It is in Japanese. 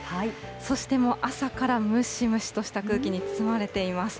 そしてもう、朝からムシムシとした空気に包まれています。